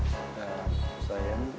sayangnya kerudung kamu jatoh